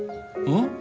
ん？